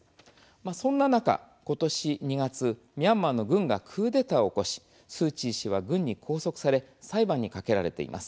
そんな中、ことし２月ミャンマーの軍がクーデターを起こし、スー・チー氏は軍に拘束され裁判にかけられています。